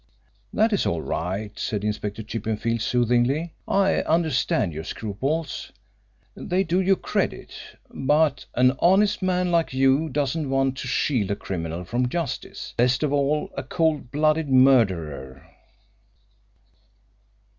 "That is all right," said Inspector Chippenfield soothingly. "I understand your scruples. They do you credit. But an honest man like you doesn't want to shield a criminal from justice least of all a cold blooded murderer."